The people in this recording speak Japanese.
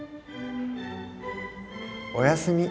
おやすみ。